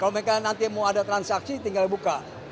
kalau misalnya nanti mau ada transaksi tinggal buka